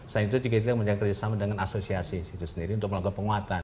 selain itu tiga pihak menjaga kerjasama dengan asosiasi itu sendiri untuk melakukan penguatan